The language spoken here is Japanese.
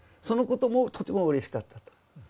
そのこともとてもうれしかったと。